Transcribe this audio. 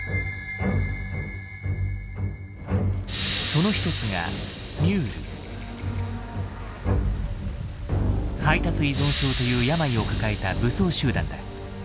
その一つが「配達依存症」という病を抱えた武装集団だ。